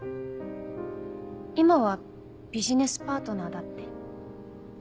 今はビジネスパートナーだって。